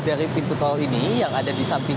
dari pintu tol ini yang ada di samping